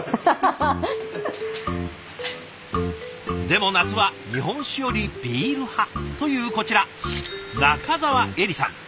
でも夏は日本酒よりビール派というこちら仲澤恵梨さん。